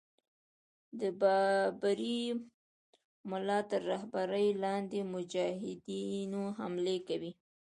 د بابړي مُلا تر رهبری لاندي مجاهدینو حملې کړې.